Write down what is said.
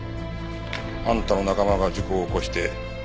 あんたの仲間が事故を起こして。